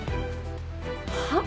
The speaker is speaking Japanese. はっ？